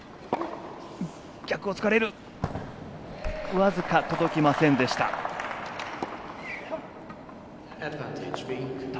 僅か届きませんでした。